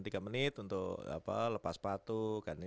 tiga menit untuk lepas patuh